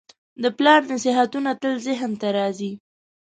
د پلار نصیحتونه تل ذهن ته راځي.